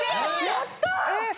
やった！